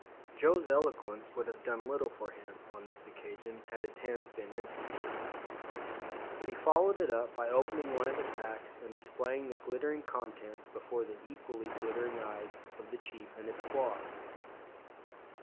Joe's eloquence would have done little for him on this occasion had his hands been empty, but he followed it up by opening one of his packs and displaying the glittering contents before the equally glittering eyes of the chief and his squaws.